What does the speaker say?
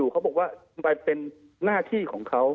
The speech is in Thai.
เขาบอกว่ามันเป็นหน้าที่ของเขา